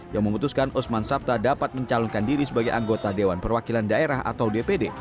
yang memutuskan osman sabta dapat mencalonkan diri sebagai anggota dewan perwakilan daerah atau dpd